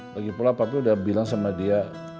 lagipula papi udah bilang sama dia